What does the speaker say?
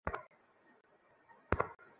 আমাদের আপনার আশীর্বাদ দিন।